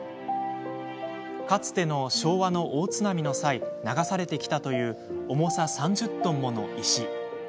かつて昭和の大津波の際流されてきたという重さ３０トンもの石。